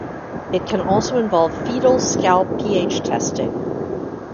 It can also involve fetal scalp pH testing.